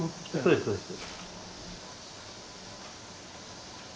そうですそうです。